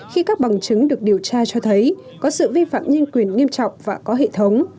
khi các bằng chứng được điều tra cho thấy có sự vi phạm nhân quyền nghiêm trọng và có hệ thống